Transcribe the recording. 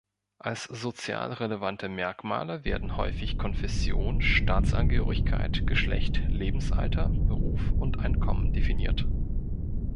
Als sozial relevante Merkmale werden häufig Konfession, Staatsangehörigkeit, Geschlecht, Lebensalter, Beruf und Einkommen definiert.